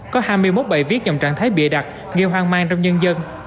có hai mươi một bài viết dòng trạng thái bịa đặt gây hoang mang trong nhân dân